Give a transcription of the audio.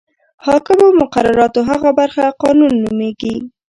حاکمو مقرراتو هغه برخه قانون نومیږي.